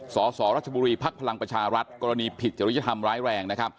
สสรัชบุรีภักดิ์พลังประชารัฐกรณีผิดจริยธรรมร้ายแรงนะครับ